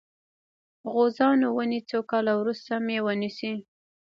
د غوزانو ونې څو کاله وروسته میوه نیسي؟